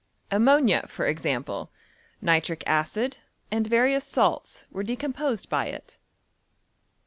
Ammonia, for example, nitric acid, and various salts, were decomposed by it.